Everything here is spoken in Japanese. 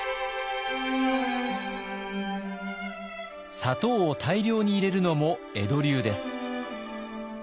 砂糖を大量に入れるのも江戸流です。